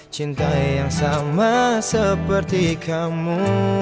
cintai yang sama seperti kamu